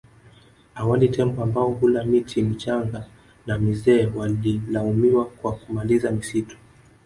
Awali tembo ambao hula miti michanga na mizee walilaumiwa kwa kumaliza misitu